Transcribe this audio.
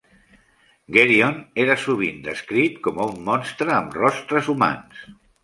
Geryon era sovint descrit com un monstre amb rostres humans.